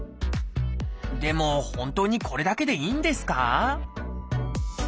でも本当にこれだけでいいんですか？